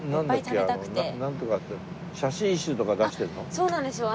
そうなんですよ。